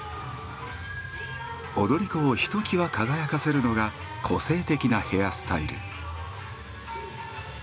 踊り子をひときわ輝かせるのが個性的なヘアスタイル。